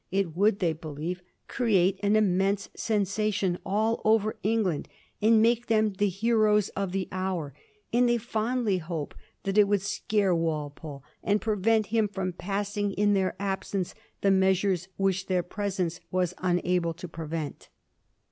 It would, they be lieved, create an immense sensation all over England and make them the heroes of the hour; and they fondly hoped that it would scare Walpole, and prevent him from passing in their absence the measures which their pres ence was unable to prevent.